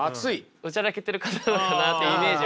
おちゃらけてる方なのかなってイメージは。